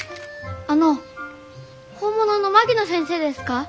あの本物の槙野先生ですか？